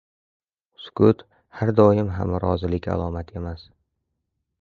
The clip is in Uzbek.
Sukut har doim ham rozilik alomati emas